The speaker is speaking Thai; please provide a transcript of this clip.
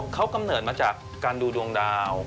เขากำเนิดมาจากการดูดวงดาว